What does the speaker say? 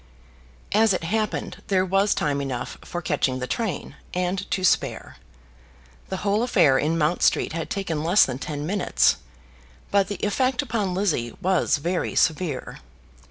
As it happened, there was time enough for catching the train, and to spare. The whole affair in Mount Street had taken less than ten minutes. But the effect upon Lizzie was very severe.